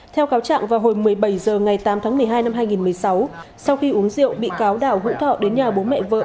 theo cáo trạng vào hồi một mươi bảy h ngày tám tháng một mươi hai năm hai nghìn một mươi sáu sau khi uống rượu bị cáo đào hữu thọ đến nhà bố mẹ vợ